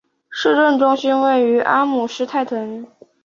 行政中心位于阿姆施泰滕。